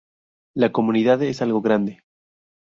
La Comunidad es algo grande.